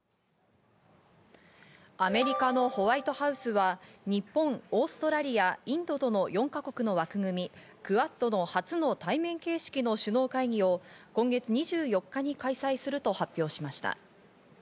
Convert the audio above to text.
アメリカのホワイトハウスは、日本、オーストラリア、インドとの４か国の枠組み、クアッドの初の対面形式の首脳会議を今月２４日に開催すると発表しました。